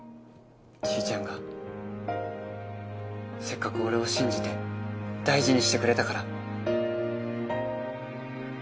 ちーちゃんがせっかく俺を信じて大事にしてくれたから。